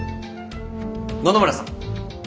野々村さん。